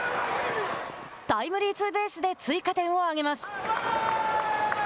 タイムリーツーベースで追加点を挙げます。